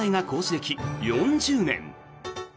歴４０年。